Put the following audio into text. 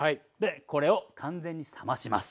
これを完全に冷まします。